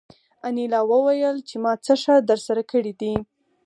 انیلا وویل چې ما څه ښه درسره کړي دي